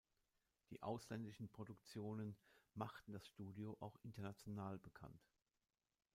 Die ausländischen Produktionen machten das Studio auch international bekannt.